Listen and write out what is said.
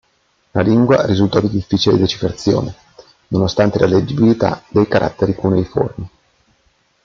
La lingua risultò di difficile decifrazione, nonostante la leggibilità dei caratteri cuneiformi.